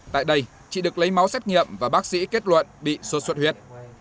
tại đây chị được lấy máu xét nghiệm và bác sĩ kết luận bị sốt xuất huyết